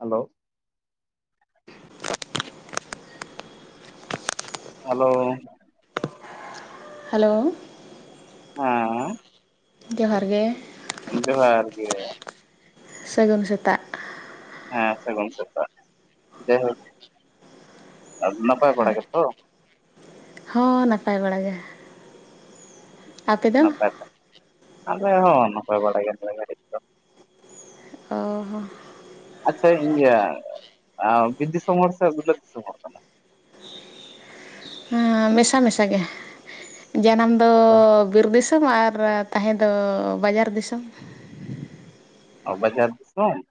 Hello. [unintelligible] Hello. Hello ᱦᱮᱻ ᱡᱚᱦᱟᱨ ᱜᱮ᱾ ᱡᱚᱦᱟᱨ ᱜᱮ, ᱥᱟᱹᱜᱩᱱ ᱥᱮᱛᱟᱜ᱾ ᱦᱮᱸ ᱥᱟᱹᱜᱩᱱ ᱥᱮᱛᱟᱜ ᱡᱟᱭᱦᱳᱠ ᱟᱫᱚ ᱱᱟᱯᱟᱭ ᱦᱳᱭ ᱵᱟᱲᱟ ᱜᱮᱛᱚ? ᱦᱚᱸ ᱱᱟᱯᱟᱭ ᱵᱟᱲᱟ ᱜᱮ᱾ ᱟᱯᱮ ᱫᱚ ᱱᱟᱯᱟᱭ ᱵᱟᱲᱟᱜᱮ ᱟᱞᱮ ᱦᱚᱸ ᱱᱟᱯᱟᱭ ᱵᱟᱲᱟ ᱜᱮ ᱱᱮ ᱜᱷᱟᱲᱤᱡ ᱫᱚ᱾ ᱚᱻ ᱦᱚ, ᱟᱪᱪᱷᱟ ᱤᱭᱟᱹ ᱵᱤᱨ ᱫᱤᱥᱚᱢ ᱦᱚᱲ ᱥᱮ ᱵᱤᱞᱟᱹᱛ ᱫᱤᱥᱚᱢ ᱦᱚᱲ ᱠᱟᱱᱟᱢ? ᱢᱮᱥᱟ ᱢᱮᱥᱟᱜᱮ ᱡᱟᱱᱟᱢ ᱫᱚ ᱯᱮ ᱵᱤᱨ ᱫᱤᱥᱚᱢ ᱟᱨᱼᱼ ᱛᱟᱦᱮᱸ ᱫᱚ ᱵᱟᱡᱟᱨ ᱫᱤᱥᱚᱢ᱾ ᱚ ᱵᱟᱡᱟᱨ ᱫᱤᱥᱚᱢ?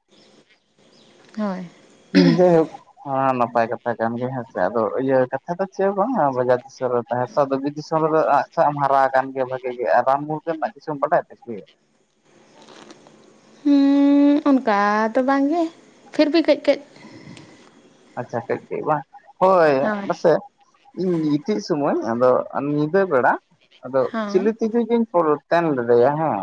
ᱦᱳᱭ᱾ ᱦᱩᱸ ᱡᱟᱭᱦᱳᱠ᱾ ᱦᱮᱸ ᱱᱟᱯᱟᱭ ᱠᱟᱛᱷᱟ ᱠᱟᱱ ᱜᱮ ᱦᱮᱸ ᱥᱮ ᱟᱫᱚ ᱤᱭᱟᱹ ᱠᱟᱛᱷᱟ ᱫᱚ ᱪᱮᱫ ᱦᱚᱸ ᱵᱟᱝ ᱵᱟᱡᱟᱨ ᱫᱤᱥᱚᱢ ᱨᱮ ᱛᱟᱦᱮᱸᱼᱼ ᱟᱫᱚ ᱵᱤᱨ ᱫᱤᱥᱚᱢ ᱨᱮᱫᱚ ᱟᱜ ᱥᱟᱜ ᱮᱢ ᱦᱟᱨᱟᱣ ᱟᱠᱟᱱ ᱜᱮᱭᱟ ᱵᱷᱟᱜᱮ ᱜᱮ ᱟᱨ ᱨᱟᱱ ᱢᱩᱨᱜᱟᱹᱱ ᱨᱮᱱᱟᱜ ᱠᱤᱪᱷᱩᱢ ᱵᱟᱰᱟᱭ ᱛᱮ ᱥᱮ ᱪᱮᱫ, ᱦᱩᱸ ᱚᱱᱠᱟ ᱫᱚ ᱵᱟᱝᱜᱮ ᱯᱷᱤᱨᱵᱤ ᱠᱟᱹᱡ ᱠᱟ. ᱡ᱾ ᱟᱪᱪᱷᱟ ᱠᱟ. ᱡ ᱠᱟ. ᱡ ᱵᱟᱝ ᱦᱳᱭ ᱵᱟᱥᱮ, ᱤᱧ ᱜᱤᱛᱤᱡ ᱥᱩᱢᱟᱹᱭ ᱟᱫᱚ ᱧᱤᱫᱟᱹ ᱵᱮᱲᱟ ᱟᱫᱚ ᱦᱚᱸ ᱪᱤᱞᱤ ᱛᱤᱡᱩ ᱡᱤᱧ ᱯᱚᱞᱼᱼ ᱛᱮᱱ ᱞᱮᱫᱮᱭᱟ ᱦᱮᱸ,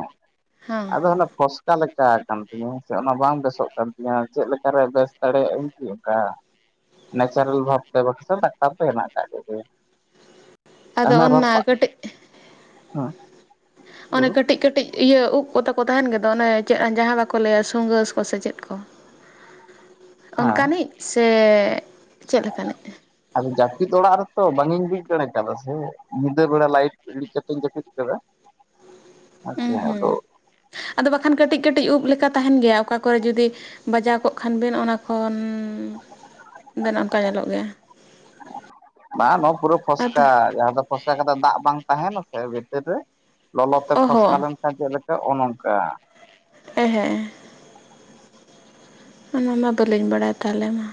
ᱦᱚᱸ ᱟᱫᱚ ᱚᱱᱟ ᱯᱷᱚᱥᱠᱟ ᱞᱮᱠᱟᱣ ᱠᱟᱱ ᱛᱤᱧᱟᱹ ᱥᱮ ᱚᱱᱟ ᱵᱟᱝ ᱵᱮᱥᱚᱜ ᱠᱟᱱ ᱛᱤᱧᱟ ᱪᱮᱫ ᱞᱮᱠᱟᱨᱮ ᱵᱮᱥ? ᱫᱟᱲᱮᱭᱟᱜ ᱟ. ᱧ ᱠᱤ ᱚᱝᱠᱟᱼᱼ ᱱᱮᱪᱟᱨᱮᱞ ᱵᱷᱟᱵᱽ ᱛᱮ ᱵᱟᱠᱷᱟᱡ ᱫᱚ ᱰᱟᱠᱛᱟᱨ ᱛᱚ ᱦᱮᱱᱟᱜ ᱟᱠᱟᱫ ᱠᱚᱜᱮᱭᱟ᱾ ᱟᱫᱚ ᱚᱱᱮ ᱚᱱᱟ ᱨᱟᱯᱟᱜ ᱠᱟᱹᱴᱤᱡ ᱦᱚᱭ᱾ ᱚᱱᱮ ᱠᱟᱹᱴᱤᱡ ᱠᱟᱹᱴᱤᱡ ᱤᱭᱟᱹ ᱩᱵ ᱠᱚ ᱛᱟᱠᱚ ᱛᱟᱦᱮᱱ ᱜᱮᱫᱚ ᱚᱱᱮ ᱤᱭᱟᱪᱮᱫ ᱡᱟᱦᱟᱸ ᱵᱟᱠᱚ ᱞᱟᱹᱭᱟ ᱥᱩᱸᱜᱟ. ᱠᱚ ᱥᱮ ᱪᱮᱫ ᱠᱚ᱾ [inaudible] ᱚᱱᱠᱟᱱᱤᱡ ᱥᱮ ᱪᱮᱫ ᱞᱮᱠᱟᱱᱤᱡ? ᱟᱫᱚ ᱡᱟᱯᱤᱫ ᱚᱲᱟᱜ ᱨᱮᱛᱚ ᱵᱟᱝᱤᱧ ᱵᱩᱡᱽ ᱫᱟᱲᱮ ᱠᱟᱫᱟ ᱥᱮ ᱧᱤᱫᱟᱹ ᱵᱮᱲᱟ ᱞᱟᱭᱤᱴᱼᱼ ᱤᱲᱤᱡ ᱠᱟᱛᱮᱧ ᱡᱟᱯᱤᱫ ᱠᱟᱫᱟ ᱦᱮᱸᱥᱮ ᱩᱸ ᱦᱩᱸ ᱟᱫᱚ, ᱟᱫᱚ ᱵᱟᱠᱷᱟᱱ ᱠᱟᱴᱤᱡ ᱠᱟᱴᱤᱡ ᱩᱵ ᱞᱮᱠᱟ ᱛᱟᱦᱮᱱ ᱜᱮᱭᱟ ᱚᱠᱟ ᱠᱚᱨᱮ ᱡᱩᱫᱤᱼᱼ ᱵᱟᱡᱟᱣ ᱠᱚᱜ ᱠᱷᱟᱱ ᱵᱮᱱ ᱚᱱᱟ ᱠᱷᱚᱱ ᱵᱮᱱ ᱚᱱᱠᱟ ᱧᱮᱞᱚᱜ ᱜᱮᱭᱟ᱾ ᱵᱟᱝ ᱱᱚᱣᱟ ᱯᱩᱨᱟᱹ ᱟᱫᱚ ᱯᱷᱚᱥᱠᱟ ᱡᱟᱦᱟᱸ ᱫᱚᱼᱼ ᱯᱷᱚᱥᱠᱟ ᱠᱟᱛᱮ ᱫᱟᱜ ᱵᱟᱝ ᱛᱟᱦᱮᱱᱟ ᱥᱮ ᱵᱷᱤᱛᱤᱨ ᱨᱮ ᱞᱚᱞᱚ ᱛᱮ ᱚ ᱯᱷᱚᱥᱠᱟ ᱦᱚᱸ ᱞᱮᱱᱼᱼ ᱪᱮᱫ ᱞᱮᱠᱟ ᱚᱱ ᱚᱝᱠᱟ᱾ ᱦᱮᱸ ᱦᱮᱸ᱾ ᱚᱱᱟ ᱢᱟ ᱵᱟᱹᱞᱤᱧ ᱵᱟᱲᱟᱭᱟ ᱛᱟᱦᱞᱮ ᱢᱟ᱾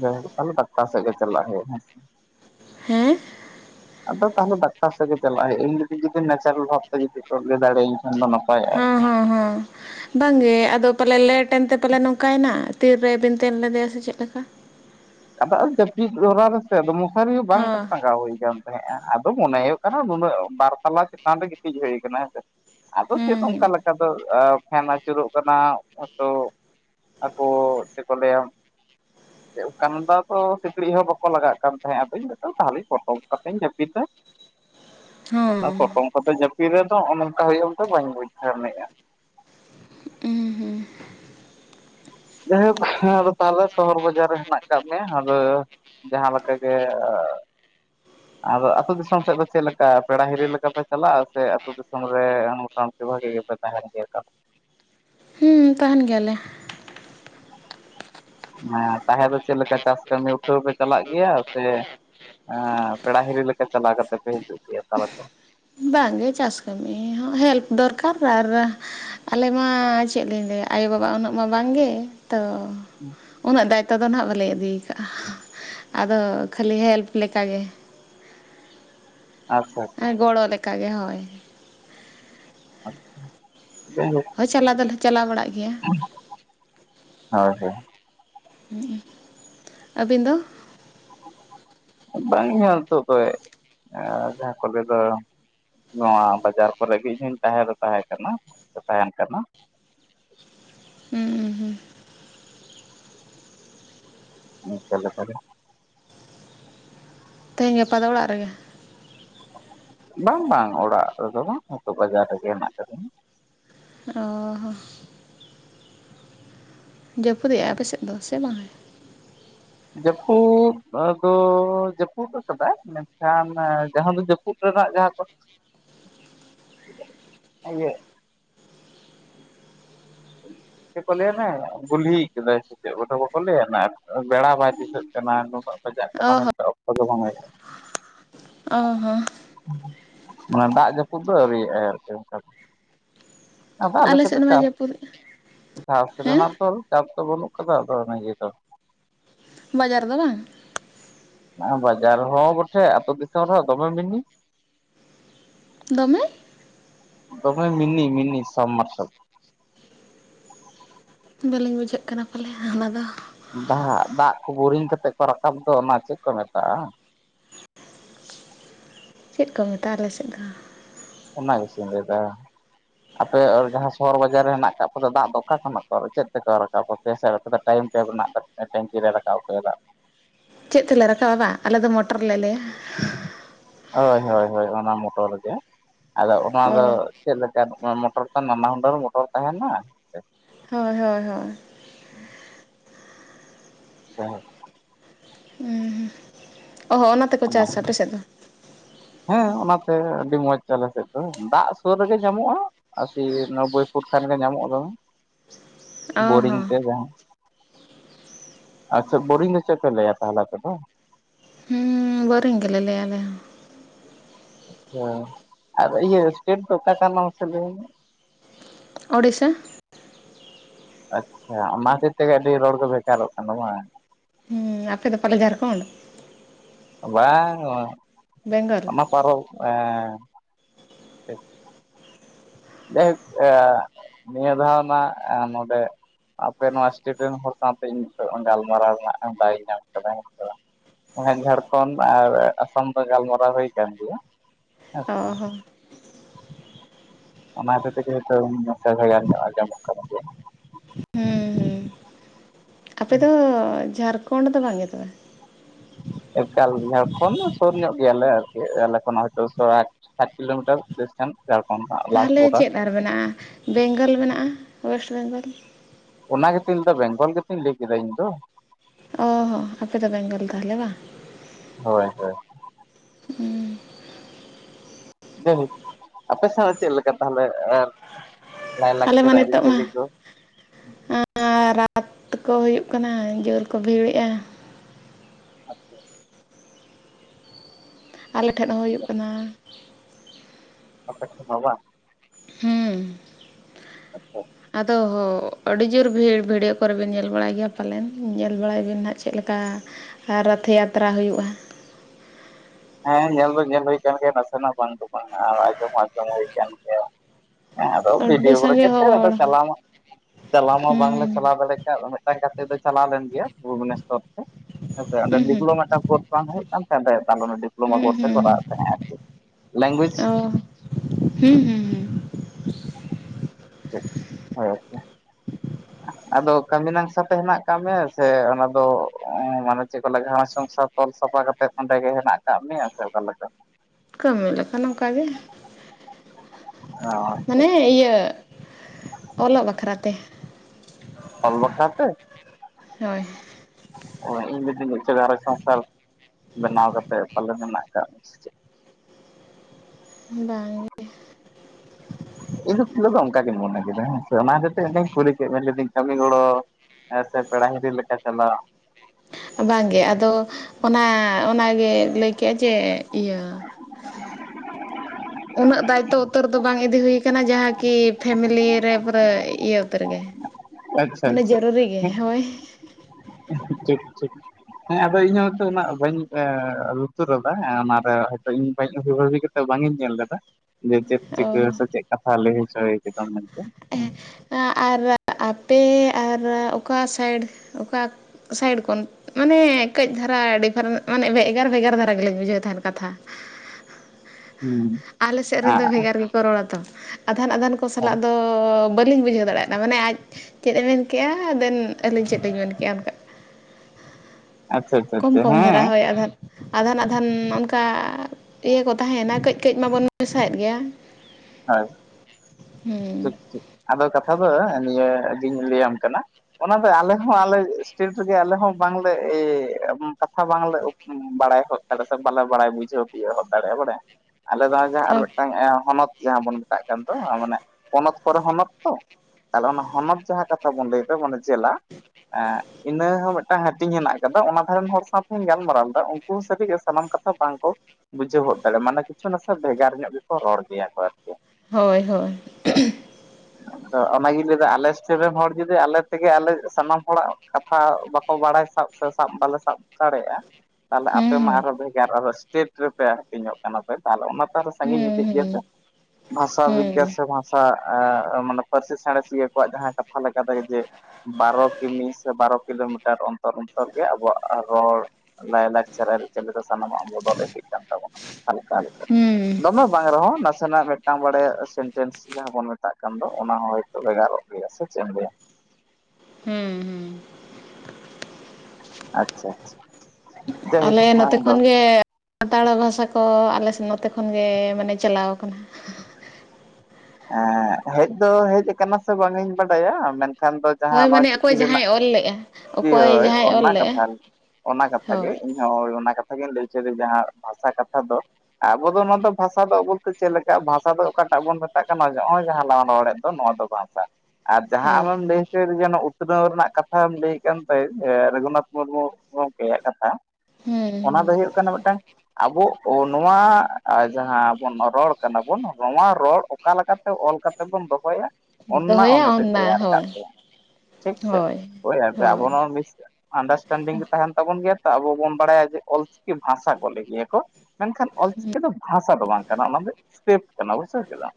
ᱡᱟᱭᱦᱳᱠ ᱛᱟᱦᱞᱮ ᱰᱟᱠᱛᱟᱨ ᱥᱮᱡ ᱜᱮ ᱪᱟᱞᱟᱜ ᱦᱩᱭᱩᱜᱼᱟ᱾ ᱦᱮᱸᱻ ᱟᱫᱚ ᱛᱟᱦᱞᱮ ᱰᱟᱠᱛᱟᱨ ᱥᱮᱫ ᱜᱮ ᱪᱟᱞᱟᱜ ᱦᱩᱭᱩᱜᱼᱟ ᱤᱧ ᱞᱟᱹᱭ ᱫᱤᱧ ᱡᱩᱫᱤ ᱱᱮᱪᱟᱨᱮᱞ ᱵᱷᱟᱵᱽ ᱛᱮ ᱡᱩᱫᱤ ᱠᱚ ᱞᱟᱹᱭ ᱫᱟᱲᱮᱭᱟᱹᱧ ᱠᱷᱟᱱ ᱫᱚ ᱱᱟᱯᱟᱭᱚᱜᱼᱟ ᱦᱚᱸ ᱟᱨᱠᱤ᱾ ᱦᱚᱸ ᱦᱚᱸ [inaudible] ᱵᱟᱝᱜᱮ ᱟᱫᱚ ᱯᱟᱞᱮ ᱞᱮᱴ ᱮᱱᱛᱮ ᱯᱟᱞᱮ ᱱᱚᱝᱠᱟᱭᱱᱟ ᱛᱤ ᱨᱮᱵᱮᱱ ᱛᱮᱱ ᱞᱮᱫᱮᱭᱟ ᱥᱮ ᱪᱮᱫ ᱞᱮᱠᱟ, ᱟᱫᱚ ᱡᱟᱯᱤᱫ ᱜᱷᱚᱨᱟ ᱨᱮᱥᱮ ᱟᱫᱚ ᱢᱚᱥᱟᱨᱤ ᱦᱚᱸ ᱵᱟᱝ ᱴᱟᱸᱜᱟᱣ ᱦᱩᱭ ᱠᱟᱱ ᱛᱟᱦᱮᱸᱜᱼᱟ ᱟᱫᱚ ᱢᱚᱱᱮ ᱦᱩᱭᱩᱜ ᱠᱟᱱᱟ ᱱᱩᱱᱟᱹᱜ ᱵᱟᱨ ᱛᱟᱞᱟ ᱪᱮᱛᱟᱱ ᱨᱮ ᱜᱤᱛᱤᱡ ᱦᱩᱭ ᱠᱟᱱᱟ ᱦᱮᱸ ᱥᱮ ᱟᱫᱚ ᱪᱮᱫ ᱦᱩᱸ ᱦᱩᱸ ᱚᱝᱠᱟ ᱞᱮᱠᱟ ᱫᱚ ᱮᱻ ᱯᱷᱮᱱ ᱟᱹᱪᱩᱨᱚᱜ ᱠᱟᱱᱟ ᱦᱚᱭᱛᱚ ᱟᱠᱚ ᱪᱮᱫ ᱠᱚ ᱞᱟᱹᱭᱟ ᱠᱟᱱᱫᱟ ᱫᱚ ᱥᱤᱠᱲᱤᱡ ᱦᱚᱸ ᱵᱟᱠᱚ ᱞᱟᱜᱟᱜ ᱠᱟᱱ ᱛᱟᱦᱮᱸᱫ ᱟᱫᱚᱧ ᱛᱟᱦᱚᱞᱮ ᱯᱚᱴᱚᱢ ᱠᱟᱛᱮᱧ ᱡᱟᱹᱯᱤ ᱫᱟ ᱦᱚᱸ ᱱᱟᱢᱟᱱᱚᱜᱼᱚ ᱱᱚᱝᱠᱟ ᱦᱩᱭᱩᱜᱼᱟ ᱢᱮᱱᱛᱮ ᱵᱟᱹᱧ ᱵᱩᱡᱷᱟᱹᱣᱮᱫᱼᱟ ᱩᱩᱸ ᱦᱩᱸ ᱡᱟᱭᱦᱳᱠ ᱟᱫᱚ ᱛᱟᱦᱚᱞᱮ ᱥᱚᱦᱚᱨ ᱵᱟᱡᱟᱨ ᱨᱮ ᱦᱮᱱᱟᱜ ᱠᱟᱜ ᱢᱮᱭᱟ ᱟᱫᱚ ᱡᱟᱦᱟᱸ ᱞᱮᱠᱟ ᱜᱮ ᱟ ᱟᱫᱚ ᱟᱹᱛᱩ ᱫᱤᱥᱚᱢ ᱥᱮᱜ ᱫᱚ ᱪᱮᱜ ᱞᱮᱠᱟ ᱯᱮᱲᱟ ᱦᱤᱨᱤ ᱞᱮᱠᱟᱯᱮ ᱪᱟᱞᱟᱜᱼᱟ ᱥᱮ ᱟᱹᱛᱩ ᱫᱤᱥᱚᱢ ᱨᱮ [unintelligible] ᱵᱷᱟᱜᱮ ᱜᱮ ᱯᱮ ᱛᱟᱦᱮᱱ ᱜᱮᱭᱟ ᱛᱟᱦᱚᱞᱮ ᱦᱩᱸ ᱛᱟᱦᱮᱱ ᱜᱮᱭᱟᱞᱮ ᱦᱮᱸ ᱛᱟᱦᱮᱸ ᱫᱚ ᱪᱮᱜ ᱞᱮᱠᱟ ᱪᱟᱥ ᱠᱟᱹᱢᱤ ᱩᱴᱷᱟᱹᱣ ᱯᱮ ᱪᱟᱞᱟᱜ ᱜᱮᱭᱟ ᱥᱮ ᱮᱸ ᱯᱮᱲᱟ ᱦᱤᱨᱤ ᱞᱮᱠᱟ ᱪᱟᱞᱟᱣ ᱠᱟᱛᱮ ᱯᱮ ᱦᱤᱡᱩᱜ ᱜᱮᱭᱟ ᱯᱟᱞᱮ ᱪᱚ ᱵᱟᱝᱜᱮ ᱪᱟᱥ ᱠᱟᱹᱢᱤ ᱦᱚᱸ ᱦᱮᱞᱯ ᱫᱚᱨᱠᱟᱨ ᱟᱨ ᱟᱞᱮ ᱢᱟ ᱪᱮᱜ ᱞᱤᱧ ᱞᱟᱹᱭᱟ ᱟᱭᱳᱼᱵᱟᱵᱟ ᱩᱱᱟᱹᱜ ᱢᱟ ᱵᱟᱝᱜᱮ ᱛᱚ ᱩᱱᱟᱹᱜ ᱫᱟᱭᱤᱛ ᱛᱮᱫ ᱫᱚ ᱱᱟᱦᱟᱜ ᱵᱟᱞᱮ ᱤᱫᱤ ᱟᱠᱟᱜᱼᱟ ᱟᱫᱚ ᱠᱷᱟᱹᱞᱤ ᱦᱮᱞᱯ ᱞᱮᱠᱟᱜᱮ ᱟᱪᱪᱷᱟ ᱟᱪᱪᱷᱟ ᱟᱨ ᱜᱚᱲᱚ ᱞᱮᱠᱟ ᱜᱮ ᱦᱳᱭ ᱟᱪᱪᱷᱟ ᱦᱳᱭ ᱪᱟᱞᱟᱣ ᱫᱚᱞᱮ ᱪᱟᱞᱟ ᱵᱟᱲᱟᱜ ᱜᱮᱭᱟ [unintelligible] ᱟᱹᱵᱤᱱ ᱫᱚ? ᱵᱟᱝ ᱜᱮ ᱦᱮᱸᱛᱳᱜ ᱫᱚᱭ ᱡᱟᱦᱟᱸ ᱠᱚ ᱞᱟᱹᱭ ᱫᱚ ᱱᱚᱣᱟ ᱵᱟᱡᱟᱨ ᱠᱚᱨᱮ ᱜᱮ ᱤᱧ ᱦᱚᱸᱧ ᱛᱟᱦᱮᱸ ᱫᱚ ᱛᱟᱦᱮᱸ ᱠᱟᱱᱟ ᱥᱮ ᱛᱟᱦᱮᱱ ᱠᱟᱱᱟ ᱦᱩᱸ ᱦᱩᱸ ᱦᱩᱸ [unintelligible] ᱛᱮᱦᱮᱧ ᱜᱟᱯᱟ ᱫᱚ ᱚᱲᱟᱜ ᱨᱮᱜᱮ? ᱵᱟᱝ ᱵᱟᱝ ᱚᱲᱟᱜ ᱨᱮᱫᱚ ᱵᱟᱝ ᱱᱤᱛᱚᱜ ᱵᱟᱡᱟᱨ ᱨᱮᱜᱮ ᱦᱮᱱᱟᱜ ᱠᱟᱫᱤᱧᱟ ᱚ ᱦᱚ ᱡᱟᱹᱯᱩ ᱫᱮᱜᱽ-ᱟᱭ ᱟᱯᱮ ᱥᱮᱫ ᱫᱚ ᱥᱮ ᱵᱟᱝ? ᱡᱟᱹᱯᱩᱫ ᱟᱫᱚ ᱡᱟᱹᱯᱩᱫ ᱟᱠᱟᱫᱟᱭ ᱢᱮᱱᱠᱷᱟᱱ ᱡᱟᱦᱟᱸ ᱫᱚ ᱡᱟᱹᱯᱩᱫ ᱯᱩᱫ ᱨᱮ ᱫᱟᱜᱽ ᱡᱟᱦᱟ ᱠᱚ [inaudible] ᱤᱭᱟᱹ [inaudible] ᱪᱮᱜ ᱠᱚ ᱞᱟᱹᱭᱟ ᱱᱦᱮ ᱜᱩᱞᱦᱤ ᱠᱟᱫᱟᱭ ᱥᱮ ᱪᱮ ᱜᱚᱴᱟ ᱵᱟᱠᱚ ᱞᱟᱹᱭᱟ ᱱᱟᱜ ᱵᱮᱲᱟ ᱵᱟᱭ ᱫᱤᱥᱟᱹᱜ ᱠᱟᱱᱟ ᱵᱟᱡᱟᱜ ᱠᱟᱱᱟ ᱚ ᱦᱚᱸ ᱢᱮᱱᱛᱮ ᱚᱠᱛᱚ ᱜᱮ ᱵᱟᱝ ᱚ ᱦᱚᱸ ᱢᱟᱱᱮ ᱫᱟᱜ ᱡᱟᱹᱯᱩᱫ ᱫᱚ ᱟᱹᱣᱨᱤᱭᱟᱜᱼᱟᱭ ᱟᱨᱠᱤ ᱚᱝᱠᱟ ᱟᱫᱚ ᱟᱞᱮ ᱥᱮᱫ ᱫᱚ ᱪᱟᱥ [inaudible] ᱪᱟᱥ ᱦᱮᱸ ᱨᱮᱱᱟᱜ ᱛᱚ ᱪᱟᱥ ᱫᱚ ᱵᱟᱹᱱᱩᱜ ᱠᱟᱫᱟ ᱟᱫᱚ ᱚᱱᱮ ᱱᱤᱭᱟᱹ ᱫᱚ ᱵᱟᱡᱟᱨ ᱫᱚ ᱵᱟᱝ? ᱵᱟᱡᱟᱨ ᱦᱚᱸ ᱵᱚᱴᱷᱮ ᱟᱹᱛᱳ ᱫᱤᱥᱚᱢ ᱨᱮᱦᱚᱸ ᱫᱚᱢ ᱢᱤᱫ ᱫᱚᱢᱮ? ᱥᱚᱢᱨ ᱢᱤᱱᱤ ᱢᱤᱱᱤ ᱫᱟᱢᱢᱟᱨᱥᱟᱞ ᱵᱟᱹᱞᱤᱧ ᱵᱩᱡᱷᱟᱹᱜ ᱠᱟᱱᱟ ᱯᱟᱞᱮ ᱚᱱᱟᱫᱚ ᱫᱟᱜᱽ ᱫᱟᱜᱽ ᱠᱚ ᱵᱩᱨᱤᱝ ᱠᱟᱛᱮᱜ ᱠᱚ ᱨᱟᱠᱟᱵ ᱫᱚ ᱚᱱᱟ ᱪᱮᱫ ᱠᱚ ᱢᱮᱛᱟᱜᱼᱟ? ᱪᱮᱫ ᱠᱚ ᱢᱮᱛᱟᱜᱼᱟ ᱟᱞᱮ ᱥᱮᱫ ᱫᱚ? ᱚᱱᱟ ᱜᱮ ᱥᱮᱹᱧ ᱞᱟᱹᱭ ᱫᱟ᱾ ᱟᱯᱮ ᱡᱟᱦᱟᱸ ᱥᱚᱦᱚᱨ ᱵᱟᱡᱟᱨ ᱨᱮ ᱦᱮᱱᱟᱜ ᱟᱠᱟᱫ ᱯᱮ ᱫᱚ ᱫᱟᱜ ᱫᱚ ᱚᱠᱟ ᱠᱷᱚᱱᱟᱜ ᱠᱚ, ᱪᱮᱫ ᱛᱮ ᱠᱚ ᱨᱟᱠᱟᱵ? [unintelligible] ᱫᱚ ᱴᱟᱭᱤᱢ ᱴᱮᱵ ᱨᱮᱱᱟᱜ ᱠᱟᱜ ᱛᱟᱯᱮᱭᱟ ᱴᱮᱝᱠᱤ ᱨᱮ ᱨᱟᱠᱟᱵ ᱟᱯᱮᱭᱟ ᱫᱟᱜ᱾ ᱪᱮᱫ ᱛᱮᱞᱮ ᱨᱟᱠᱟᱵᱟ ᱵᱟᱝ, ᱟᱞᱮ ᱫᱚ ᱢᱚᱴᱚᱨ ᱞᱮ ᱞᱟᱹᱭᱟ᱾ ᱦᱳᱭ ᱦᱳᱭ ᱦᱳᱭ ᱚᱱᱟ ᱢᱚᱴᱚᱨ ᱜᱮ᱾ ᱟᱫᱚ ᱚᱱᱟ ᱚ ᱫᱚ ᱪᱮᱫ ᱞᱮᱠᱟᱱ ᱢᱚᱴᱚᱨ ᱛᱚ ᱱᱟᱱᱟ ᱦᱩᱱᱟᱹᱨ ᱢᱚᱴᱚᱨ ᱛᱟᱦᱮᱱᱟ᱾ ᱦᱳᱭ ᱦᱳᱭ ᱦᱳᱭ᱾ ᱦᱮᱸ᱾ [unintelligible] ᱟᱫᱚ ᱟᱯᱮ ᱥᱮᱫ ᱫᱚ ᱦᱮᱸ ᱚᱱᱟᱛᱮ ᱟᱹᱰᱤ ᱢᱚᱸᱡᱽ ᱟᱞᱮ ᱥᱮᱫ ᱫᱚ ᱫᱟᱜ ᱥᱩᱨ ᱨᱮᱜᱮ ᱧᱟᱢᱚᱜᱼᱟ᱾ ᱟᱥᱤ ᱱᱚᱵᱵᱳᱭ ᱯᱷᱩᱴ ᱠᱷᱟᱱ ᱜᱮ ᱧᱟᱢᱚᱜ ᱫᱚᱢᱮ᱾ ᱚ ᱵᱳᱨᱤᱝ ᱦᱚᱸ ᱛᱮ ᱢᱟᱦᱟᱸ᱾ ᱟᱪᱪᱷᱟ ᱵᱳᱨᱤᱝ ᱫᱚ ᱪᱮᱫ ᱯᱮ ᱞᱟᱹᱭᱟ ᱛᱟᱦᱞᱮ ᱟᱯᱮ ᱫᱚ? ᱦᱩᱸ ᱵᱳᱨᱤᱝ ᱜᱮᱞᱮ ᱞᱟᱹᱭᱟ ᱟᱞᱮ ᱦᱚᱸ᱾ ᱟᱪᱪᱷᱟ ᱟᱨ ᱤᱭᱟᱹ ᱥᱴᱮᱴ ᱫᱚ ᱚᱠᱟ ᱠᱟᱱ ᱛᱟᱢᱟ ᱢᱟᱥᱮ ᱞᱟᱹᱭ ᱢᱮ᱾ ᱳᱲᱤᱥᱟ᱾ ᱟᱪᱪᱷᱟ ᱚᱱᱟ ᱦᱚᱛᱮᱡ ᱛᱮᱜᱮ ᱟᱹᱰᱤ ᱨᱚᱲ ᱠᱚ ᱵᱷᱠᱟᱨᱚᱜ ᱠᱟᱱᱟ ᱵᱟᱝ? ᱦᱩᱸ ᱟᱯᱮ ᱫᱚ ᱯᱟᱞᱮ ᱡᱟᱨᱠᱷᱚᱱᱰ? ᱵᱟᱝ ᱚᱸ᱾ ᱵᱮᱝᱜᱚᱞ? ᱯᱟᱨᱚ ᱮᱸᱻ ᱡᱟᱭᱦᱳᱠ ᱟᱻ ᱱᱤᱭᱟᱹ ᱫᱷᱟᱣ ᱢᱟ ᱮ ᱱᱚᱰᱮ ᱟᱯᱮ ᱱᱚᱣᱟ ᱥᱴᱮᱴ ᱨᱮᱱ ᱦᱚᱲ ᱥᱟᱶᱛᱮ ᱤᱧ ᱦᱤᱛᱚᱜ ᱜᱟᱞᱢᱟᱨᱟᱣ ᱨᱮᱱᱟᱜ ᱫᱟᱣᱤᱧ ᱧᱟᱢ ᱠᱟᱫᱟ, ᱦᱮᱸ ᱥᱮ ᱵᱟᱝ? ᱚᱱᱮ ᱡᱷᱟᱲᱠᱷᱚᱱᱰ ᱟᱨ ᱟᱥᱟᱢ ᱫᱚ ᱜᱟᱞᱢᱟᱨᱟᱣ ᱦᱩᱭ ᱠᱟᱱ ᱜᱮᱭᱟ, ᱦᱮᱸ ᱚ ᱥᱮ? ᱦᱚᱸ ᱚᱱᱟ ᱦᱚᱛᱮ ᱛᱮᱜᱮ ᱛᱚ ᱱᱟᱥᱮ ᱵᱷᱮᱜᱟᱨ ᱧᱚᱜ ᱟᱸᱡᱚᱢᱚᱜ ᱠᱟᱱ ᱜᱮᱭᱟ᱾ ᱦᱮᱸ ᱦᱮᱸ ᱟᱯᱮ ᱫᱚ ᱡᱷᱟᱲᱴᱨᱠᱷᱚᱱᱰ ᱫᱚ ᱵᱟᱝ ᱜᱮ ᱛᱚᱵᱮ? ᱮᱠᱟᱞ ᱡᱷᱟᱲᱠᱷᱚᱱ ᱫᱚ ᱥᱳᱨ ᱧᱚᱜ ᱜᱮᱭᱟᱞᱮ ᱟᱨᱠᱤ ᱟᱞᱮ ᱠᱷᱚᱱᱟᱜ ᱦᱳᱭᱛᱚ [unintelligible] ᱥᱟᱴ ᱠᱤᱞᱳᱢᱤᱴᱟᱨ ᱰᱤᱥᱴᱮᱱ᱾ ᱡᱷᱟᱲᱠᱷᱚᱱ ᱫᱚ ᱦᱟᱸᱜ᱾ ᱛᱟᱦᱞᱮ ᱪᱮᱫ ᱟᱨ ᱢᱮᱱᱟᱜᱼᱟ, ᱵᱮᱝᱜᱚᱞ ᱢᱮᱱᱟᱜᱼᱟ ᱚᱭᱮᱥᱴ ᱵᱮᱝᱜᱚᱞ᱾ ᱚᱱᱟ ᱜᱮᱛᱩᱧ ᱞᱟᱹᱭᱫᱟ ᱵᱮᱝᱜᱚᱞ ᱜᱮᱛᱩᱧ ᱞᱟᱹᱭ ᱠᱮᱫᱟ ᱤᱧ ᱫᱚ᱾ ᱟ ᱟᱯᱮ ᱫᱚ ᱵᱮᱝᱜᱚᱞ ᱛᱟᱦᱚᱞᱮ ᱵᱟᱝ? ᱦᱳᱭ᱾ ᱦᱳᱭ ᱡᱟᱭᱦᱳᱠ, ᱟᱯᱮ ᱥᱮᱱ ᱪᱮᱫ ᱞᱮᱠᱟ ᱛᱟᱦᱚᱞᱮ ᱟᱨ ᱞᱟᱭ ᱟᱞᱮ ᱞᱟᱠᱪᱟᱨ ᱢᱟ ᱟᱹᱨᱤᱪᱟᱹᱞᱤ ᱠᱚ? ᱟ ᱨᱟᱛ ᱠᱚ ᱦᱩᱭᱩᱜ ᱠᱟᱱᱟ ᱡᱳᱨ ᱠᱚ ᱵᱷᱤᱲᱮᱜᱼᱟ᱾ ᱟᱪᱪᱷᱟ᱾ ᱟᱞᱮ ᱴᱷᱮᱱ ᱦᱚᱸ ᱦᱩᱭᱩᱜ ᱠᱟᱱᱟ᱾ ᱚᱯᱮ ᱴᱷᱮᱱ ᱦᱚᱸ ᱵᱟᱝ? ᱦᱩᱸ᱾ ᱟᱪᱪᱷᱟ᱾ ᱟᱫᱚ ᱟᱹᱰᱤ ᱡᱳᱨ ᱵᱷᱤᱲ, ᱵᱷᱤᱰᱭᱳ ᱠᱚᱨᱮ ᱵᱤᱱ ᱧᱮᱞ ᱵᱟᱲᱟᱭ ᱜᱮᱭᱟ ᱯᱟᱞᱮᱱ ᱧᱮᱞ ᱵᱟᱲᱟᱭ ᱵᱤᱱ ᱱᱟᱜ᱾ ᱪᱮᱫ ᱞᱮᱠᱟ ᱨᱟᱛᱷᱮ ᱭᱟᱛᱨᱟ ᱦᱩᱭᱩᱜᱼᱟ᱾ ᱦᱮᱸ ᱧᱮᱞ ᱫᱚ ᱧᱮᱞ ᱦᱩᱭ ᱠᱟᱱ ᱜᱮᱭᱟ ᱱᱟᱥᱮᱱᱟᱜ ᱵᱟᱝ ᱫᱚ ᱵᱟᱝ ᱟᱨ ᱟᱸᱡᱚᱢ ᱦᱚᱸ ᱟᱸᱡᱚᱢ ᱦᱩᱭ ᱠᱟᱱ ᱜᱮᱭᱟ᱾ ᱮᱸ ᱟᱫᱚ ᱟᱹᱰᱤ ᱵᱷᱤᱰᱤᱭᱳ ᱥᱟᱸᱜᱮ ᱦᱚᱛᱮᱛ ᱛᱮ ᱟᱫᱚ ᱦᱚᱲ ᱪᱟᱞᱟᱣ ᱢᱟ ᱪᱟᱞᱟᱣ ᱢᱟ ᱵᱟᱝᱞᱮ ᱪᱟᱞᱟᱣ ᱦᱮᱸ ᱫᱟᱲᱮ [unintelligible] ᱢᱤᱫᱴᱟᱝ ᱜᱟᱛᱮ ᱫᱚ ᱪᱟᱞᱟᱣ ᱞᱮᱱ ᱜᱮᱭᱟ ᱵᱷᱩᱵᱱᱮᱥᱥᱚᱨ ᱛᱮ ᱦᱮᱸᱥᱮ ᱚᱸᱰᱮ ᱦᱩᱸ ᱦᱩᱸ ᱰᱤᱯᱞᱳᱢᱟ ᱢᱮᱴᱮᱱ ᱠᱳᱨᱥ ᱵᱟᱝ ᱦᱩᱭᱩᱜ ᱠᱟᱱ ᱛᱮ [unintelligible] ᱰᱤᱯᱞᱳᱢᱟ ᱦᱩᱸ ᱠᱳᱨᱥ ᱮ ᱦᱩᱸ ᱠᱚᱨᱟᱣᱜ ᱛᱟᱦᱮᱸ ᱟᱨᱠᱤ ᱞᱮᱝᱜᱩᱭᱮᱡᱽ ᱦᱮᱸ ᱦᱩᱸ ᱦᱩᱸ ᱦᱩᱸ [unintelligible] ᱦᱳᱭ ᱟᱨᱠᱤᱼᱼ ᱟᱫᱚ ᱠᱟᱹᱢᱤ ᱱᱟᱝᱥᱟ ᱛᱮ ᱦᱮᱱᱟᱜ ᱠᱟᱜ ᱢᱮᱭᱟ ᱥᱮ ᱚᱱᱟ ᱫᱚ ᱢᱟᱱᱮ ᱪᱮᱫ ᱠᱚ ᱞᱟᱜᱟᱜ-ᱟ ᱥᱚᱝᱥᱚᱫ ᱛᱚᱞ ᱥᱟᱯᱷᱟ ᱠᱟᱛᱮᱫ ᱚᱸᱰᱮ ᱜᱮ ᱦᱮᱱᱟᱜ ᱟᱠᱟᱫ ᱢᱮᱭᱟ ᱥᱮ ᱚᱠᱟ ᱞᱮᱠᱟ ᱠᱟᱹᱢᱤ ᱞᱮᱠᱟ ᱱᱚᱝᱠᱟ ᱜᱮ ᱚ ᱟᱪᱪᱷᱟ ᱢᱟᱱᱮ ᱟᱪᱪᱷᱟ ᱤᱭᱟᱹᱼᱼ ᱚᱞᱚᱜ ᱵᱟᱠᱷᱨᱟ ᱛᱮᱼᱼ ᱚᱞ ᱵᱟᱠᱷᱨᱟ ᱛᱮ ᱦᱳᱭ ᱤᱧ ᱫᱩᱧ ᱞᱟᱹᱭ ᱜᱷᱟᱨᱚᱸᱡᱽ ᱥᱚᱝᱥᱟᱨ ᱵᱮᱱᱟᱣ ᱠᱟᱛᱮᱫ ᱯᱟᱞᱮᱱ ᱢᱮᱱᱟᱜ ᱟᱠᱟᱫ [unintelligible] ᱵᱟᱝ ᱜᱮ ᱤᱧ ᱫᱚ ᱯᱩᱭᱞᱳ ᱫᱚ ᱚᱱᱠᱟ ᱜᱤᱧ ᱢᱚᱱᱮ ᱠᱮᱫᱟ ᱦᱮᱸ ᱥᱮ ᱚᱱᱟ ᱦᱟᱹᱛᱮ ᱢᱤᱫ ᱫᱷᱟᱣ ᱤᱧ ᱠᱩᱞᱤ ᱠᱮᱫ ᱢᱮᱭᱟ ᱞᱟᱹᱭ ᱫᱤᱧ ᱠᱟᱹᱢᱤ ᱜᱚᱲᱚ ᱦᱮᱸ ᱥᱮ ᱯᱮᱲᱟ ᱦᱤᱨᱤ ᱞᱮᱠᱟ ᱪᱟᱞᱟᱣ ᱾ ᱵᱟᱝ ᱜᱮ ᱟᱫᱚ ᱚᱱᱟ ᱚᱱᱟ ᱜᱮ ᱞᱟᱹᱭ ᱠᱮᱜᱼᱟ ᱡᱮ ᱤᱭᱟᱹᱼᱼ ᱩᱱᱟᱹᱜ ᱫᱟᱭᱤᱛᱛᱚ ᱩᱛᱟᱹᱨ ᱫᱚᱼᱼ ᱵᱟᱝ ᱤᱫᱤ ᱦᱩᱭ ᱠᱟᱱᱟ ᱡᱟᱦᱟᱸ ᱠᱤ ᱯᱷᱮᱢᱤᱞᱤ ᱨᱮ ᱯᱩᱨᱟᱹ ᱤᱭᱟᱹ ᱩᱛᱟᱹᱨ ᱜᱮ ᱟᱪᱪᱷᱟ ᱢᱟᱱᱮ ᱟᱪᱪᱷᱟ ᱡᱟᱹᱨᱩᱨᱤ ᱜᱮ ᱦᱳᱭ᱾ ᱴᱷᱤᱠ ᱴᱷᱤᱠ ᱦᱮᱸ ᱟᱫᱚ ᱤᱧ ᱦᱚᱸ ᱦᱚᱭᱛᱳ ᱩᱱᱟᱹᱜ ᱵᱟᱹᱧ ᱞᱩᱛᱩᱨ ᱟᱫᱟ ᱚᱱᱟ ᱨᱮ ᱦᱚᱭᱛᱚ ᱤᱧ ᱵᱟᱹᱧ ᱵᱷᱟᱵᱤ [unintelligible] ᱛᱚ ᱵᱟᱝ ᱤᱧ ᱧᱮᱞ ᱞᱮᱫᱟ ᱡᱮ ᱪᱮᱫ ᱚ ᱪᱤᱠᱟᱹ ᱥᱮ ᱪᱮᱫ ᱠᱟᱛᱷᱟ ᱞᱟᱹᱭ ᱦᱚᱪᱚᱭ ᱠᱮᱫᱟᱢ ᱢᱮᱱ ᱛᱮ᱾ ᱟᱸ ᱟᱨ ᱟᱯᱮ ᱟᱨ ᱚᱠᱟ ᱥᱟᱭᱤᱰ ᱚᱠᱟ ᱥᱟᱭᱤᱰ ᱠᱷᱚᱱ ᱢᱟᱱᱮ ᱠᱟᱹᱡ ᱫᱷᱟᱨᱟ ᱰᱤᱯᱷᱟᱨᱮᱱ ᱢᱟᱱᱮ ᱵᱷᱮᱜᱟᱨ ᱵᱷᱮᱜᱟᱨ ᱫᱷᱟᱨᱟ ᱜᱮ ᱞᱤᱧ ᱵᱩᱡᱷᱟᱹᱣ ᱛᱟᱦᱮᱸᱱ ᱠᱟᱛᱷᱟ᱾ [inaudible] ᱦᱩᱸ ᱟᱞᱮ ᱥᱮᱜ ᱨᱮᱱ ᱫᱚ ᱟᱪᱪᱷᱟ ᱵᱷᱮᱜᱟᱨ ᱜᱮᱠᱚ ᱨᱚᱲᱟ ᱛᱚ ᱟᱫᱷᱟᱱ ᱟᱫᱷᱟᱱ ᱠᱚ ᱥᱟᱞᱟᱜ ᱫᱚ ᱛᱚ ᱵᱟᱹᱞᱤᱧ ᱵᱩᱡᱷᱟᱹᱣ ᱫᱟᱲᱮᱭᱟᱜ ᱫᱟ ᱢᱟᱱᱮ ᱟᱡ ᱪᱮᱫ ᱮ ᱢᱮᱱ ᱠᱮᱜᱼᱟ ᱟᱵᱮᱱ ᱟᱹᱞᱤᱧ ᱪᱮᱫ ᱞᱤᱧ ᱢᱮᱱ ᱠᱮᱫᱮᱜᱼᱟ ᱚᱱᱠᱟ ᱟᱪᱪᱷᱟ ᱠᱚᱢ ᱟᱪᱪᱷᱟ ᱠᱚᱢ ᱫᱷᱟᱨᱟ ᱦᱮᱸ ᱦᱳᱭ ᱟᱫᱷᱟᱱ ᱟᱫᱷᱟᱱ ᱟᱫᱷᱟᱱ ᱚᱱᱠᱟ ᱤᱭᱟᱹ ᱠᱚ ᱛᱟᱦᱮᱸᱭ ᱮᱱᱟ ᱠᱟᱹᱡ ᱠᱟᱹᱡ ᱢᱟᱵᱚᱱ ᱢᱮᱥᱟᱭ ᱮᱫ ᱜᱮᱭᱟ᱾ ᱦᱳᱭ ᱴᱷᱤᱠ ᱦᱩᱸ ᱴᱷᱤᱠ ᱟᱫᱚ ᱠᱟᱛᱷᱟ ᱫᱚ ᱱᱤᱭᱟᱹ ᱜᱤᱧ ᱞᱟᱹᱭᱟᱢ ᱠᱟᱱᱟ ᱚᱱᱟ ᱫᱚ ᱟᱞᱮ ᱦᱚᱸ ᱟᱞᱮ ᱥᱴᱮᱴ ᱨᱮᱜᱮ ᱟᱞᱮ ᱦᱚᱸ ᱵᱟᱝᱞᱮ ᱠᱟᱛᱷᱟ ᱵᱟᱝᱞᱮ ᱵᱟᱲᱟᱭ ᱦᱚᱫ ᱫᱟᱲᱮ ᱥᱮ ᱵᱟᱞᱮ ᱵᱟᱲᱟᱭ ᱵᱩᱡᱷᱟᱹᱣ ᱛᱤᱭᱳ ᱦᱚ ᱫᱟᱲᱮᱭᱟᱜᱼᱟ [unintelligible] ᱟᱞᱮ ᱫᱚᱼᱼ ᱡᱟᱦᱟᱸ ᱟᱨ ᱚ ᱢᱮᱫᱴᱟᱝ ᱦᱚᱱᱚᱛ ᱡᱟᱦᱟᱸ ᱵᱚᱱ ᱢᱮᱛᱟᱜ ᱠᱟᱱ ᱫᱚ ᱢᱟᱱᱮ ᱯᱚᱱᱚᱛ ᱠᱚᱨᱮ ᱦᱚᱱᱚᱛ ᱛᱚ ᱟᱨ ᱚᱱᱟ ᱦᱚᱱᱚᱛ ᱡᱟᱦᱟᱸ ᱠᱟᱛᱷᱟ ᱵᱚᱱ ᱞᱟᱹᱭᱫᱟ ᱢᱟᱱᱮ ᱡᱮᱞᱟ ᱤᱱᱟᱹ ᱦᱚᱸ ᱢᱮᱫᱴᱟᱝ ᱦᱟᱹᱴᱤᱧ ᱦᱮᱱᱟᱜ ᱟᱠᱟᱫᱟ ᱚᱱᱟ ᱫᱷᱟᱨᱮᱱ ᱦᱚᱲ ᱥᱟᱶ ᱛᱮᱦᱩᱧ ᱜᱟᱞᱢᱟᱨᱟᱣ ᱞᱮᱫᱟ ᱩᱱᱠᱩ ᱦᱚᱸ [unintelligible] ᱜᱮ ᱥᱟᱱᱟᱢ ᱠᱟᱛᱷᱟ ᱵᱟᱝ ᱠᱚᱼᱼ ᱵᱩᱡᱷᱟᱹᱣ ᱦᱚᱫ ᱫᱟᱲᱮᱭᱟᱜᱼᱟ ᱢᱟᱱᱮ ᱠᱤᱪᱷᱩ ᱱᱟᱥᱮ ᱵᱷᱮᱜᱟᱨ ᱧᱚᱜ ᱜᱮᱠᱚ ᱨᱚᱲ ᱜᱮᱭᱟ ᱠᱚ ᱟᱨᱠᱤ ᱾ ᱦᱳᱭ ᱦᱳᱭ ᱟᱫᱚ ᱚᱱᱟ ᱜᱤᱧ ᱞᱟᱹᱭᱫᱟ ᱟᱞᱮ ᱥᱴᱮᱴ ᱨᱮᱱ ᱦᱚᱲ ᱡᱩᱫᱤ ᱟᱞᱮ ᱛᱮᱜᱮ ᱟᱞᱮ ᱥᱟᱱᱟᱢ ᱦᱚᱲᱟᱜ ᱠᱟᱛᱷᱟ ᱵᱟᱠᱚ ᱵᱟᱲᱟᱭ ᱥᱟᱵ ᱥᱮ ᱥᱟᱵ ᱵᱟᱞᱮ ᱥᱟᱵ ᱠᱟᱲᱮᱭᱟᱜᱼᱟ ᱛᱟᱦᱞᱮ ᱟᱯᱮ ᱢᱟ ᱦᱩᱸ ᱟᱨᱦᱚᱸ ᱵᱷᱮᱜᱟᱨ ᱟᱨᱦᱚᱸ ᱥᱴᱮᱴ ᱨᱮᱯᱮ ᱦᱟᱹᱴᱤᱧᱚᱜ ᱠᱟᱱᱟ ᱯᱮ ᱛᱟᱦᱚᱞᱮ ᱚᱱᱟᱼᱼ [unintelligible] ᱨᱮ ᱥᱟᱺᱜᱤᱧ ᱦᱩᱸ ᱤᱫᱤᱜ ᱜᱮᱭᱟ ᱦᱩᱸ ᱥᱮ ᱵᱷᱟᱥᱟ ᱦᱩᱸ ᱵᱤᱜᱽᱜᱟᱱ ᱥᱮ ᱵᱷᱟᱥᱟ ᱟ ᱢᱟᱱᱮ ᱯᱟᱹᱨᱥᱤ ᱥᱟᱬᱮᱥᱤᱭᱟᱹ ᱠᱚᱣᱟᱜ ᱡᱟᱦᱟᱸ ᱠᱟᱛᱷᱟ ᱞᱮᱠᱟ ᱛᱮ ᱡᱮ ᱵᱟᱨᱚ ᱠᱤᱢᱤ ᱥᱮ ᱵᱟᱨᱚ ᱠᱤᱞᱳᱢᱤᱴᱟᱨ ᱚᱱᱛᱚᱨ ᱚᱱᱛᱚᱨ ᱜᱮ ᱟᱵᱚᱣᱟᱜ ᱨᱚᱲ ᱞᱟᱭ ᱞᱟᱠᱪᱟᱨ ᱟᱹᱨᱤ ᱪᱟᱹᱞᱤ ᱫᱚ ᱥᱟᱱᱟᱢᱟᱜ ᱵᱚᱫᱚᱞ ᱤᱫᱤᱜ ᱠᱟᱱ ᱛᱟᱵᱚᱱᱟ ᱾ ᱦᱟᱞᱠᱟ ᱦᱟᱞᱠᱟ, ᱦᱩᱸ ᱦᱩᱸ ᱫᱚᱢᱮ ᱵᱟᱝ ᱨᱮᱦᱚᱸ ᱱᱟᱥᱮᱱᱟᱜ ᱢᱤᱫᱴᱟᱝ ᱵᱟᱲᱭᱟ ᱥᱮᱱᱴᱮᱱᱥ ᱡᱟᱦᱟᱸ ᱵᱚᱱ ᱢᱮ ᱛᱟᱜ ᱠᱟᱱ ᱫᱚ ᱚᱱᱟ ᱦᱚᱸ ᱦᱚᱭᱛᱳ ᱵᱷᱮᱜᱟᱨᱚᱜ ᱜᱮᱭᱟ, ᱥᱮ ᱪᱮᱜ ᱮᱢ ᱞᱟᱹᱭᱟ? ᱦᱩᱸ ᱦᱩᱸ᱾ ᱟᱪᱪᱷᱟ ᱟᱪᱪᱷᱟ᱾ ᱡᱟᱭᱦᱳᱠ ᱟᱞᱮ ᱱᱚᱛᱮ ᱟᱫᱚ ᱠᱷᱚᱱ ᱜᱮ ᱥᱟᱱᱛᱟᱲ ᱵᱷᱟᱥᱟ ᱠᱚ ᱟᱞᱮ ᱥᱮᱱ ᱱᱚᱛᱮ ᱠᱷᱚᱱ ᱜᱮ ᱢᱟᱱᱮ ᱪᱟᱞᱟᱣ ᱟᱠᱟᱱᱟ ᱾ ᱮᱸᱻ ᱦᱮᱡ ᱫᱚ ᱦᱮᱡ ᱟᱠᱟᱱᱟ ᱥᱮ ᱵᱟᱝ ᱤᱧ ᱵᱟᱰᱟᱭᱟ, ᱢᱮᱱᱠᱷᱟᱱ ᱫᱚ ᱦᱳᱭ ᱡᱟᱦᱟᱸ ᱱᱚᱶᱟ ᱢᱟᱱᱮ ᱪᱤᱠᱤ ᱚᱠᱚᱭ ᱨᱮᱱᱟᱜ ᱡᱟᱦᱟᱸᱭ ᱚᱞ ᱞᱮᱫᱼᱟ ᱚᱠᱚᱭ ᱠᱤᱼᱦᱳᱭ ᱡᱟᱦᱟᱸᱭ ᱚᱞ ᱚᱱᱟ ᱞᱮᱫᱼᱟ ᱠᱟᱛᱷᱟ ᱚᱱᱟ ᱠᱟᱛᱷᱟ ᱜᱮ ᱦᱳᱭ ᱦᱳᱭ ᱚᱱᱟ ᱠᱟᱛᱷᱟ ᱜᱤᱧ ᱞᱟᱹᱭ ᱦᱚᱪᱚᱭ ᱫᱟ, ᱡᱟᱦᱟᱸ ᱵᱷᱟᱥᱟ ᱠᱟᱛᱷᱟ ᱫᱚ ᱟᱵᱚ ᱫᱚ ᱱᱚᱣᱟ ᱫᱚ ᱵᱷᱟᱥᱟ ᱫᱚ ᱵᱚᱞᱛᱮ ᱪᱮᱫ ᱞᱮᱠᱟ ᱵᱷᱟᱥᱟ ᱫᱚ ᱚᱠᱟᱴᱟᱜ ᱵᱚᱱ ᱛᱟᱜ ᱠᱟᱱᱟ ᱱᱚᱜᱼᱚᱭ ᱡᱟᱦᱟᱸ ᱞᱟᱱ ᱨᱚᱲᱮᱫ ᱫᱚ ᱱᱚᱣᱟ ᱫᱚ ᱵᱷᱟᱥᱟ ᱟᱨ ᱡᱟᱦᱟᱸ ᱦᱳᱭ ᱟᱢᱮᱢ ᱞᱟᱹᱭ ᱦᱚᱪᱚᱭᱫᱟ ᱡᱮ ᱩ ᱩᱛᱱᱟᱹᱣ ᱨᱮᱱᱟᱜ ᱠᱟᱛᱷᱟᱢ ᱞᱟᱹᱭᱮᱫ ᱠᱟᱱ ᱛᱟᱦᱮᱸᱫ, ᱨᱟᱹᱜᱷᱩᱱᱟᱛᱷ ᱢᱩᱨᱢᱩ ᱜᱚᱢᱠᱮᱭᱟᱜ ᱠᱟᱛᱷᱟ᱾ ᱦᱩᱸ ᱚᱱᱟ ᱫᱚ ᱦᱳᱭᱳᱜ ᱠᱟᱱᱟ ᱢᱤᱫᱴᱟᱝ ᱟᱵᱚ ᱱᱚᱶᱟ ᱡᱟᱦᱟᱸ ᱵᱚᱱ ᱨᱚᱲ ᱠᱟᱱᱟ ᱵᱚᱱ, ᱱᱚᱶᱟ ᱨᱚᱲ ᱚᱠᱟ ᱞᱮᱠᱟᱛᱮ ᱚᱞ ᱠᱟᱛᱮ ᱵᱚᱱ ᱫᱚᱦᱚᱭᱟ᱾ ᱦᱩᱸ ᱚᱱᱱᱟ ᱫᱚᱦᱚᱭᱟ ᱩᱱᱤ ᱫᱚᱭ ᱚᱱᱟ ᱛᱮᱭᱟᱨ ᱠᱟᱫ ᱦᱳᱭ ᱛᱟᱭᱟ, ᱴᱷᱤᱠ ᱥᱮ ᱦᱳᱭ ᱡᱟᱛᱮ ᱟᱵᱚ ᱱᱚᱶᱟ ᱢᱤᱥ ᱟᱱᱰᱟᱨᱥᱴᱮᱱᱰᱤᱝ ᱛᱟᱦᱮᱱ ᱛᱟᱵᱚᱱ ᱜᱮᱭᱟ ᱛᱚ, ᱟᱵᱚ ᱵᱚᱱ ᱵᱟᱲᱟᱭᱟ ᱡᱮ ᱚᱞᱪᱤᱠᱤ ᱵᱷᱟᱥᱟ ᱠᱚ ᱞᱟᱹᱭ ᱜᱮᱭᱟ ᱠᱚ᱾ ᱢᱮᱱᱠᱷᱟᱱ ᱚᱞᱪᱤᱠᱤ ᱫᱚ ᱵᱷᱟᱥᱟ ᱫᱚ ᱵᱟᱝ ᱠᱟᱱᱟ, ᱚᱱᱟ ᱫᱚ ᱥᱠᱨᱮᱯᱴ ᱠᱟᱱᱟ ᱵᱩᱡᱷᱟᱹᱣ ᱠᱮᱫᱟᱢ᱾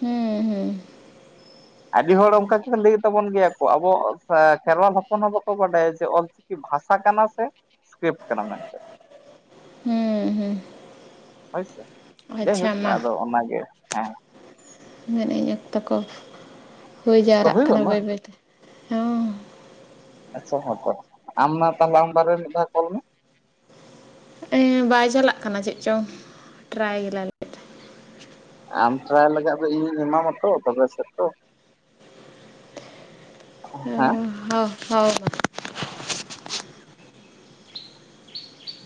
ᱦᱩᱸ ᱦᱩᱸ ᱾ ᱟᱹᱰᱤ ᱦᱚᱲ ᱚᱱᱠᱟ ᱜᱮ ᱞᱟᱹᱭ ᱛᱟᱵᱚᱱ ᱜᱮᱭᱟ ᱠᱚ, ᱟᱵᱚ ᱥᱮ ᱠᱷᱮᱨᱣᱟᱞ ᱦᱚᱯᱚᱱ ᱦᱚᱸ ᱵᱟᱠᱚ ᱵᱟᱰᱟᱭᱟ ᱡᱮ ᱚᱞ ᱪᱤᱠᱤ ᱵᱷᱟᱥᱟ ᱠᱟᱱᱟ ᱥᱮ ᱥᱠᱨᱤᱯᱴ ᱠᱟᱱᱟ ᱢᱮᱱᱛᱮ᱾ ᱦᱩᱸ ᱦᱩᱸ ᱦᱳᱭ ᱥᱮ, ᱡᱟᱭᱦᱳᱠ ᱟᱪᱪᱷᱟ ᱟᱫᱚ ᱚᱱᱟᱜᱮ ᱦᱮᱸ᱾ ᱢᱮᱱᱮᱜ ᱟᱹᱧ ᱚᱠᱛᱚ ᱠᱚ ᱦᱳᱭ ᱛᱚ ᱡᱟᱣᱨᱟᱜ ᱦᱩᱭ ᱠᱟᱱᱟ ᱜᱚᱫ ᱱᱟ ᱵᱟᱹᱭ ᱵᱟᱹᱭᱛᱮ, ᱦᱚᱸᱻ᱾ ᱟᱪᱪᱷᱟ ᱦᱚᱸ ᱛᱚ ᱟᱢ ᱢᱟ ᱛᱟᱦᱚᱞᱮ ᱟᱢ ᱵᱟᱨᱮ ᱢᱮᱫ ᱫᱷᱟᱣ ᱠᱚᱞ ᱢᱮ᱾ ᱮᱸ ᱵᱟᱭ ᱪᱟᱞᱟᱜ ᱠᱟᱱᱟ ᱪᱮᱫ ᱪᱚ, ᱴᱨᱟᱭ ᱜᱮᱞᱟ ᱟᱢ ᱴᱨᱟᱭ ᱞᱮᱜᱟ ᱟᱫᱚ ᱤᱧᱤᱧ ᱮᱢᱟᱢᱟ ᱛᱚ ᱛᱚᱵᱮ ᱥᱮ ᱛᱚ ᱾ ᱦᱮᱸ᱾ ᱦᱳ ᱦᱳ ᱢᱟ᱾